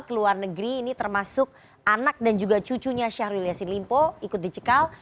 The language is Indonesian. keluar negeri ini termasuk anak dan juga cucunya syahrul yassin dimpu ikut dicekal